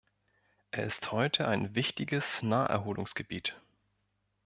Er ist heute ein wichtiges Naherholungsgebiet.